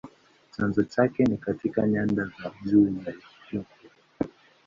Chanzo chake ni katika nyanda za juu za Ethiopia.